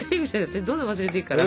どんどん忘れていくから。